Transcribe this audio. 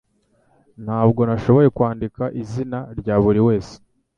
Ntabwo nashoboye kwandika izina rya buri wese